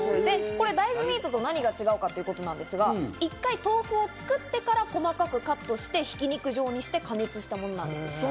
これ、大豆ミートと何が違うかってことなんですが、１回豆腐を作ってから細かくカットして、ひき肉状にして加熱したものなんです。